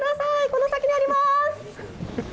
この先にあります！